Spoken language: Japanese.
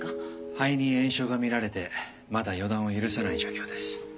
肺に炎症が見られてまだ予断を許さない状況です。